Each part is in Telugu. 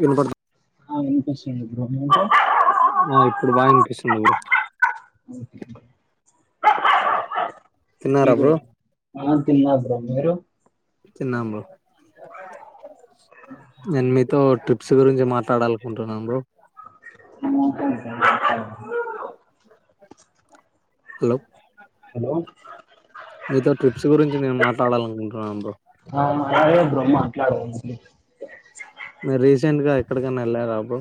వినబడు [unintelligible] ఆ ఇప్పుడు బాగా అనిపిస్తుంది కూడా తిన్నారా బ్రో [unintelligible] తిన్నా బ్రో మీరు తిన్నాం బ్రో నెన్ మీ తో ట్రిప్స్ గురించి మాట్లాడాలనుకుంటున్నాను బ్రో హలో హలో టాడాలనుకుంటున్నాను బ్రో ఆ అదే బ్రో మాట్లాడుకుందాం బ్రో మీరు రీసెంట్ గా ఎక్కడికైనా వెళ్ళారా బ్రో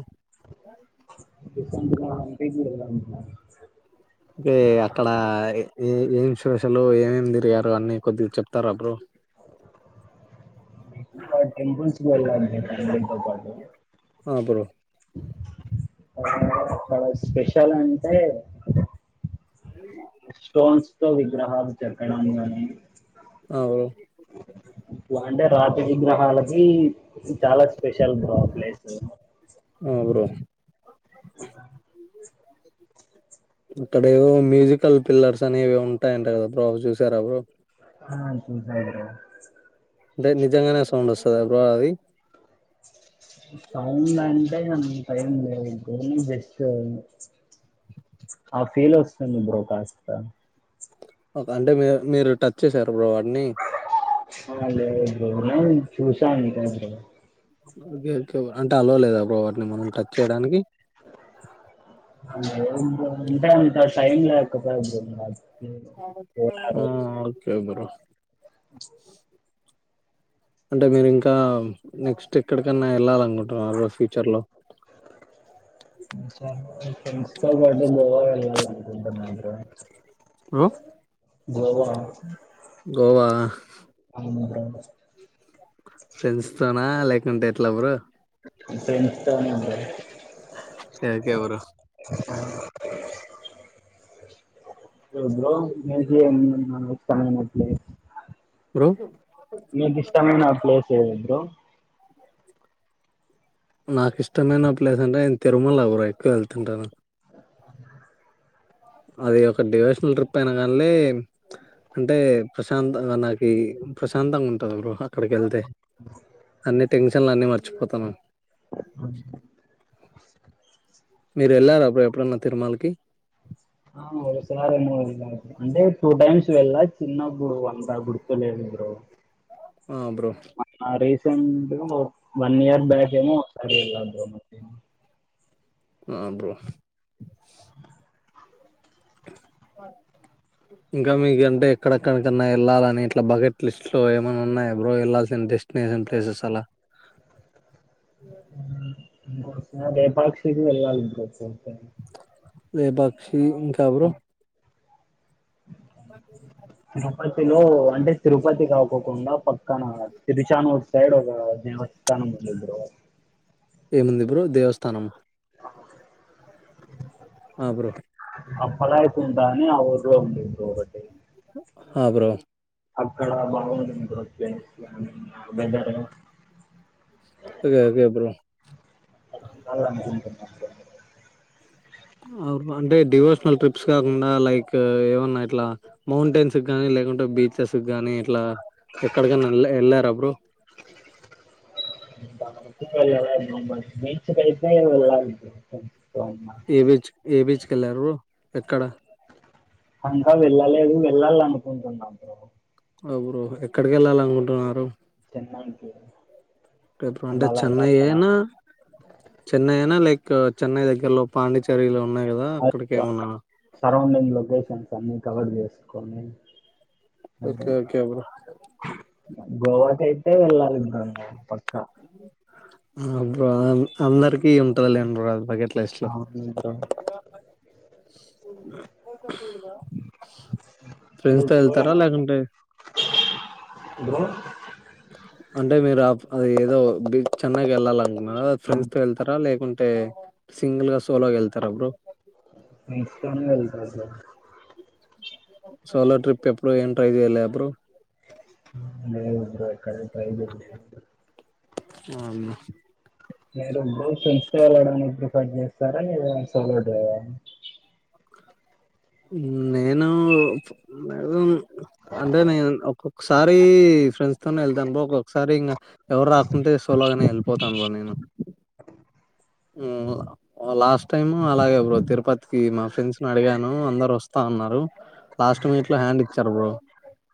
రీసెంట్ గా అంటే [unintelligible] టే అక్కడ ఎ ఏం స్పెషలు యేమేం తిరిగారు అన్నీ కొద్దిగ చెప్తారా బ్రో. [unintelligible] టెంపుల్స్ వెళ్లాను [unintelligible] పొరపాట్లో ఆ బ్రో చాలా స్పెషల్ అంటే అ స్టోన్స్ తో విగ్రహాలు చెక్కడం గాని అవు ఇలా అంటే రాత్రి విగ్రహాలకి చాలా స్పెషల్ గ ప్లేస్ ఆ బ్రో ఆ అక్కడేవో మ్యూజికల్ పిల్లర్స్ అనేవి ఉంటాయంట కదా బ్రో అవి చూసారా బ్రో హా చూసా బ్రో దే నిజంగానే సౌండ్ వస్సాదా బ్రో అది అవన్నీ దాన్ని [inaudible] టైం లో [inaudible] ఆ ఫీల్ వస్తుంది బ్రో కాస్త ఒకే అంటే మీ మీరు టచ్ చేసారు బ్రో వాడిని ఆ లేదు బ్రో నేనూ చూసా అంతే బ్రో ఓకే ఓకే అంటే అలో లేదా బ్రో వాటిని మనం టచ్ చేయడానికి ఆ లేదు బ్రో [inaudible] పోయారు ఆ ఓక్ కే బ్రో అంటే మీరు ఇంకా నెక్స్ట్ ఎక్కడికన్నా వెళ్ళాలనుకుంటున్నారు బ్రో ఫ్యూచర్ లో [inaudible] వింటున్నాయి bro bro Goa Goa [inaudible] friends తోనా లే కుంటే ఎట్లా బ్రో ఫ్రెండ్స్ తో [inaudible] ఫేక్ ఎవరు యస్ బ్రో మ్యూజిమయంట్ బ్రో మీకు ఇష్టమైనా ప్లేస్ సేమ్ బ్రో నాకు ఇష్టమైన ప్లేస్ అంటే నేను తిరుమల కూడార ఎక్కువ వెళ్తుంటాను అది ఒక డివేషనల్ ట్రిప్ అయిన కానీలే అంటే ప్రశాంతంగా నాకి ప్రశాంతంగా ఉంటది బ్రో అక్కడికి వెళ్తే అన్నీ తెంగ్ టెన్షన్లు అని మర్చిపోతను మీరు వెళ్ళారా అప్పుడు ఎప్పుడున్న తిరుమలకి అంటే టూ టైమ్స్ వెళ్ళ చిన్నప్పుడు అంత గుర్తులేదు ఆ బ్రో [unintelligible] వన్ ఇయర్ బ్యాక్ ఏమో అంటి ఎలా వున్నారు ఆ బ్రో ఇంకా మీకు అంటే ఎక్కడెక్కడికన్నా వెళ్ళాలని ఇట్లా బకెట్ లిస్ట్ లో ఏమైన్నా ఉన్నాయ బ్రో వెళ్లాల్సిన డెస్టినేషన్ ప్లేసెస్ అలా అదే లేపాక్షి వెళ్ళాలి బ్రో లేపాక్షి ఇంకా బ్రో బ తిరుపతిలో అంటే తిరుపతి కాకోకుండా పక్క కనా ఇది చానా వోస్ సైడ్ ఒక దేవస్థానం ఉంది బ్రో ఏముంది బ్రో దేవస్థా తనమ ఆ ఫల అయితు ఉంటా అని ఆ ఊరిలో ఉంది బ్రో ఒకటి ఆ బ్రో అక్కడ బాగుంటుంది bro weather okay okay bro అనుకుంటున్నాను బ్రో అంటే డివోషనల్ ట్రిప్స్ కాకుండా లైక్ ఏమన్నా ఇట్లా మౌంటైన్స్ కానీ లేకుంటే బీచెస్ కానీ ఇట్లా ఎక్కడికనా వె వెళ్ళారా బ్రో మే కలి వెళ్ళాలి బ్రో అన్నా ఏవిచ్ ఏవిచ్ కెళ్ళారు ఎక్కడ కంకా వెళ్ళలేదు వెళ్ళాల అనుకుంటున్నాం బ్రో ఎవరు ఎక్కడికి వెళ్ళాలి అనుకుంటున్నారు మా ఇంటికి బ్రో ప్పు ఎప్పుడు అంటే చెన్నై ఐనా చెన్నై అనా లేక్ ఇకా చెన్నై దగ్గరలో పాండిచేరిలో ఉన్నాయి కదా అక్కడికి ఏమన్నా సరౌండింగ్ లో వే నా టమ్మి కవర్ చేసుకొని ఓకే ఓకే బ్రో గోవా కైతే వెళ్ళలి బ్రో పక్కా వునా బ్రో అ అందరి టి ఉంటద లెండి బ్రో అవును బ్రో [unintelligible] పోకా చూడదా మీరు ఫ్రెండ్స్ తో బ్రో వెళ్తారా ఏమండి లేకుంటే బ్రో అంటే మీరు ఆ అది ఏదో బీచ్ చెన్నై కి ఎలాలని ఫ్రెండ్స్ తో వెళ్తారా లేకుంటే సింగల్గా సోలోగా వెళ్తారా బ్రో ఫ్రెండ్స్ తో నే వెళ్తా బ్రో సోలో ట్రిప్ ఎప్పుడు ఏం ట్రై చేయలేదా బ్రో లేదు బ్రో ఎక్కడ ట్రై చేయలేదు అవును మీరు బ్రో ఫ్రెండ్స్ తో వెళ్ళడనికి ప్రిఫెర్ చేస్తారా లేదా సోలో గా నేను మ అంటే నేను ఒక్కొక్కసారి ఫ్రెండ్స్ తోనే వెళ్తాను బ్రో ఒక్కొక్కసారి ఇంకా ఎవరు రాకుంటే సోలోగానే వెళ్ళిపోతాను బ్రో నేను ఉ లాస్ట్ టైమ్ అలాగే బ్రో తిరు తిపతికి మా ఫ్రెండ్స్ ని అడిగాను అందరు వస్తా ఉన్నారు లాస్ట్ మీట్ లో హ్యాండ్ ఇచ్చారు బ్రో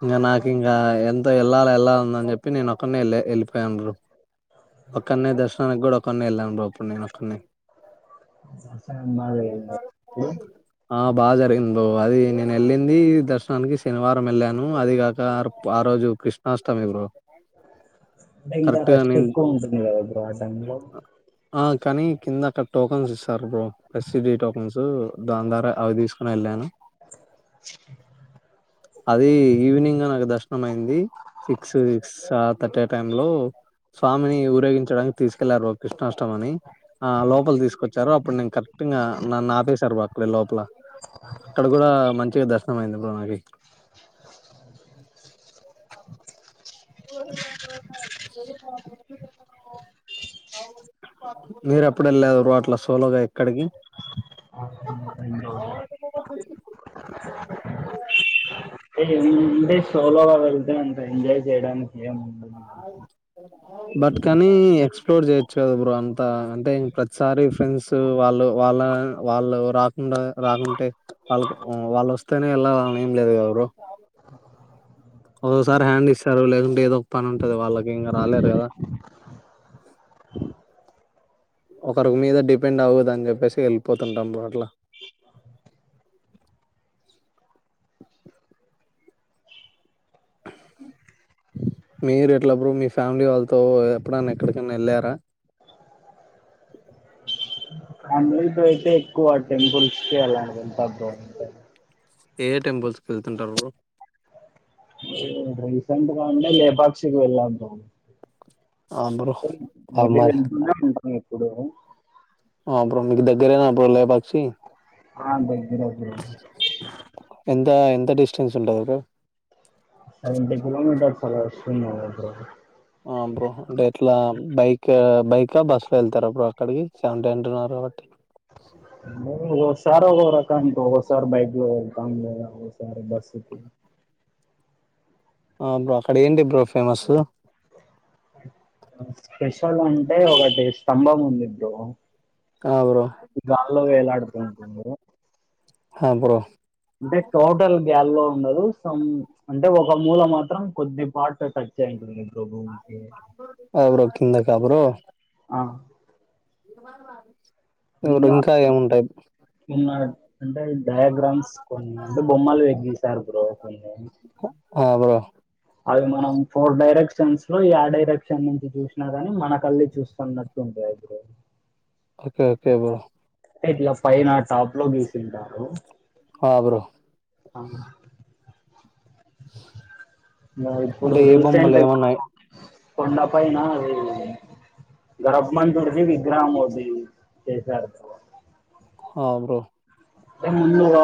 ఇంకా నాకు ఇంకా ఎ వెళ్ళాలా ఎళ్లాల ఉందని చెప్పి నేను ఒక్కడినే వెళ్ళిపోయాను బ్రో ఒక్కనే దర్శనానికి కూడా ఒక్కనే వెళ్ళాను బ్రో నేను ఒక్కనే దర్శనం బా జరిగిందా బ్రో ఆ బాగా జరిగింది బో అది నేను వెళ్ళింది దర్శనానికి శనివారం వెళ్ళాను అది కాక ఆ రోజు కృష్ణాష్టమి బ్రో బెంగా కరెక్ట్ గా రష్ నేను ఎక్కువ ఉంటుంది కదా బ్రో ఆహ్ టైం లో ఆ కానీ కింద అక్కడ టోకెన్స్ ఇస్తారు బ్రో ఫసిడే టాక్యమెంట్స్ దాని ద్వారా అవి తీసుకోని వెళ్ళాను అది ఈవినింగ్ నాకు దర్శనం అయింది సిక్స్ సిక్స్ థర్టీ ఆ టైం లో స్వామిని ఊరేగించడాని తీసుకెళ్లారు కృష్ణ ఇష్ట అని ఆ లోపల తీసుకొచ్చారు అప్పుడు నేను కరెక్ట్ గా నన్ను నాపేశారు అక్కడే లోపల అక్కడ కూడా మంచిగా దర్శనం అయింది ఇప్పుడు నాకి మీరు ఎప్పుడ వెళ్ళారు అట్లా సోలోగా ఎక్కడికి అ అంటే సోలోగా వెళ్తే అంత ఎంజాయ్ చేయడానికి ఏము బట్కాని క్స్ప్లోర్ చేయొచ్చు కదా బ్రో అంత అంటే ఇం ప్రతిసారి ఫ్రెండ్స్ వాళ్ళు వాళ్ళ వాళ్ళు రాకుండా రాకుంటే వాళ్ళ వాళ్ళు వస్తేనే వెళ్ళ ఏం లేదు కదా బ్ర ఒకోసారి హ్యాండ్ ఇస్తారు లేకుంటే ఏదో పని ఉంటది వాళ్ళకి ఇంకా రాలేరు కదా ఒకరికి మీద డిపెండ్ అవ్వదుని చెప్పేసి వెళ్పోతుంటాము అట్లా మీరు ఎట్లప్పుర మీ ఫ్యామిలీ వాళ్ళతో ఎప్పుడన్నా ఎక్కడికన్నా వెళ్ళారా ఫ్యామిలీ త అయితే ఎక్కువ టెంపుల్స్ క అలాను ఏ టెంపుల్స్ వెళ్తుంటారు రీసెంట్గా అంటే లేపాక్షి కి వెళ్ళా బ్రో ఆ బ్రో మేబీ అమాల్ వెళ్తూనే ఉంటాం ఇప్పుడు ఆ బ్రో మీకు దగ్గరేనా బ్రో లేపాక్షి ఆ బండి ఎంత ఎం ఎంత డిస్టన్స్ ఉంటది బ్రో సెవెంటీ కిలోమీటర్స్ అలా వస్తున్నది బ్రో ఆ బ్రో అంటే ఎట్లా బైక్ బైకా బస్ లో వెళ్తారా బ్రో అక్కడికి సెవెంటీ అంటున్నారు కాబట్టి ఒకసారి ఒకొక్క రకం బ్రో ఒకసారి బైక్ లో వెళ్తాం బ్రో ఒకసారి బస్ లో ఆ బ్రో అక్కడ ఏంటి బ్రో ఫేమస్సు స్పెషల్ అంటే ఒకటి స్తంభం ఉంది బ్రో ఆ బ్రో గాల్లో వేలాడుతుంది బ్రో హా బ్రో అంటే టోటల్ గాల్లో ఉండదు సమ్ అంటే ఒక మూల మాత్రం కొద్ది పార్ట్ టచ్ అయి ఉంటుంది బ్రో భూమికి [unintelligible] ఎవరో ఆ [inaudible] ఇప్పుడు ఇంకా ఏముంటాయి ఉన్న అంటే డయాగ్రామ్స్ కొన్ని అంటే బొమ్మలు గీశారు బ్రో కొన్ని ఆ బ్రో అవి మనం ఫోర్ డైరెక్షన్స్ లో యా డైరెక్షన్ నుంచి చూసినా గానీ మనకల్లే చూస్తున్నట్టుంటాది బ్రో ఓకే ఓకే బో ఇట్లా పైన టాప్ లో గీసింటారు ఆ బ్రో అవు ఇంకా [inaudible] ఇప్పుడు అంటే ఏ బొమ్మలు రీసెంట్ ఏమున్నాయి కొండ పైన ఆది గర్భమంతుడిది విగ్రహం అది చేశారు బ్రో హా బ్రో ముందు ఆ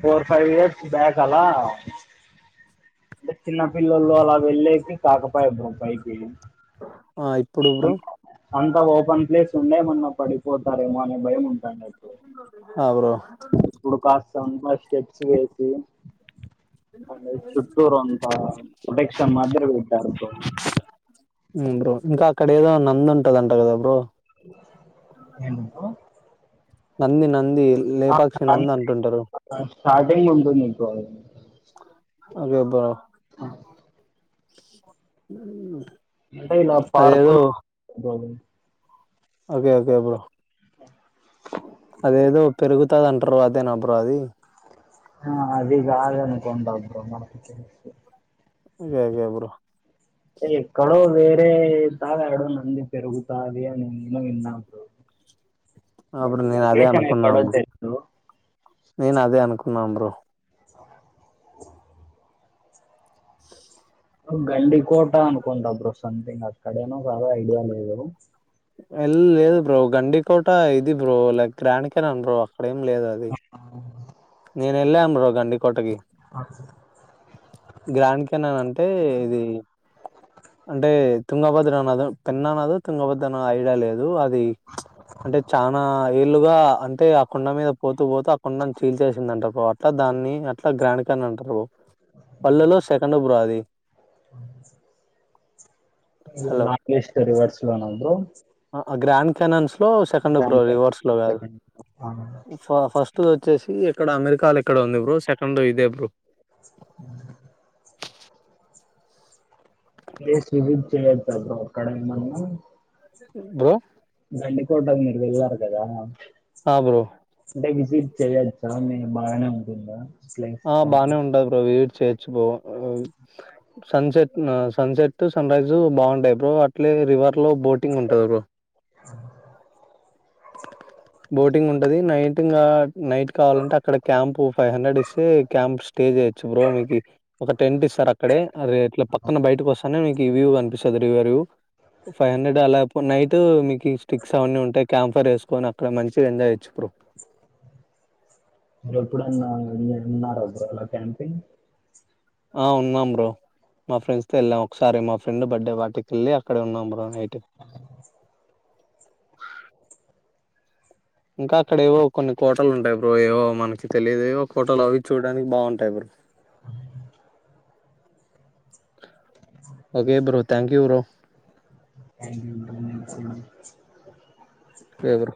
ఫోర్ ఫైవ్ ఇయర్స్ బ్యాక్ అలా అంటే చిన్న పిల్లలు అలా వెళ్ళేకి కాకపయ్ బ్రో పైకి [inaudible] ఆ ఇప్పుడు బ్రో అంత ఓపెన్ ప్లేస్ ఉండే ఏమన్న పడిపోతారేమో అనే భయం ఉంటాదది ఆ బ్రో దాంట్లో స్టెట్స్ వేసి అది చుట్టూరు అంతా ప్రొటెక్షన్ మాదిరి పెట్టారు బ్రో ఊ బ్రో ఇంకా అక్కడ ఏదో నందుంటదంట కదా బ్రో ఏం పో నంది నంది లేపాక్షి నంది అంటుంటరు స్టార్టింగ్ ఉంటుంది ఇంకా అది అదేబ అంటా ఇలా పార్కులో అదని అదే అదే బ్రో అదేదో పెరుగుతదంటారు కదా అదేన బ్రో అది ఆ అదిగాదనుకుంటా బ్రో నాకు తెలిసి యా యా బ్రో అది ఎక్కడోది టే తాగాడో నంది పెరుగుతాది అని నే ఇన్నా బ్రో అప్పుడు బట్ నేను అదే లొకేషన్ అనుకున్నా ఎక్కడో బ్రో తెలీదు నేను అదే అనుకు న్నా బ్రో సోహెబ్ [inaudible] [inaudible] గండి కోట అనుకుంట బ్రో సథింగ్ అక్కడేనో కాదో ఐడియా లేదు ఎల్ లేదు బ్రో గండి కోట ఇది బ్రో లైక్ క్రనికరణ్ బ్రో అక్కడేం లేద అది నేనెలాన్ బ్రో గండి కోటకి గ్రాంకినా అం అంటే ఇది అంటే తుంగభద్ర నద పెన్ననదో తుంగభద్రనదో ఐడియా లేదు అది ప్చ్ అంటే చానా ఏళ్ళగా అంటే ఆ కుండ మీద పో చీల్చేసిందంట అట్లా దాన్ని అట్లా గ్రాన్ కాని అంటరు పల్లెలో సెకండ్ బ్రో అది గీల్ హలో నాగెస్టే రివర్స్ వానల్ బ్రో గ్రాండ్ క్యాన్ అన్ లో సెకండ్ ఫబ్రవరి వర్స్ లో కాదు ఆ ఫ ఫస్ట్ వచ్చేసి ఇక్కడ అమెరికాలో ఇక్కడ ఉంది బ్రో సెకండ్ ఇదే బ్రో అ ప్లేస్ వివిధ చే బక్కడ మన బో అన్ని కొటగ నడవ వెల్లార్ కదా ఆ బ్రో అంటే విసిట్ చెయొచ్చా నేను బాగానే ఉంటుందా ప్లేస్ ఆ కానీ బానే ఉంటది బ్రో చర్చ బో ఆ సన్సెట్ ఆ సన్సెట్ సన్ రైజు బాగుంటాయి అ అట్లే రివర్ లో బోటింగ్ ఉంటంది బ్రో ఆ [unintelligible] బోటింగ్ ఉంటది నైట్ నైట్ కావాలంటే అక్కడ క్యాంప్ ఫైవ్ హండ్రెడ్ ఇస్తే క్యాంప్ స్టే చేయచ్చు బ్రో మీకు ఒక టెంట్ ఇస్తారు అక్కడ అట్లా పక్కన బయటకు వస్తానే మీకు ఈ వ్యూ కనిపిస్తుంది రిూ ఫైవ్ హండ్రెడ్ అలాపో నైట్ మీకు స్టిక్స్ అవన్నీ ఉంటాయి క్యాంఫర్ వేసుకొని అక్కడ మంచిగా ఎంజయచ్చు బ్రో ఎప్పుడన్న ఎల్లినర బ్రో అలా క్యాంపింగ్ ఆ ఉన్నాం బ్రో మా ఫ్రెండ్స్ తో వెళ్ళాం ఒకసారి మా ఫ్రెండ్ బర్త్డే పార్టీకి వెళ్లి అక్కడ ఉన్నాం బ్రో ఇంకా అక్కడ ఏవో కొన్ని కోటలు ఉంటాయి బ్రో ఏవో మనకి తెలియదువో కోటలు అవి చూడడానికి బాగుంటాయి bro okay bro thank you bro అంట ఎవరు